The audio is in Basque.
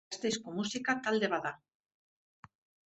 Gasteizko musika talde bat da.